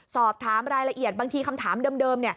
สอบถามรายละเอียดบางทีคำถามเดิม